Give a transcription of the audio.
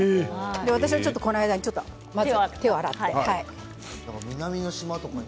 私はこの間に手を洗って。